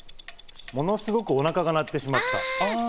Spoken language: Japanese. ものすごくお腹が鳴ってしまった。